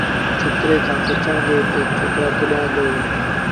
ڇوڪري کآݩ پڇيآݩدي تا ڇوڪرآ ڪيڏآݩ دو وهيݩ